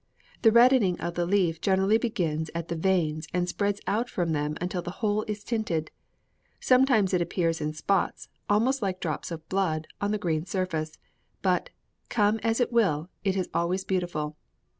The reddening of the leaf generally begins at the veins and spreads out from them until the whole is tinted. Sometimes it appears in spots, almost like drops of blood, on the green surface; but, come as it will, it is always beautiful.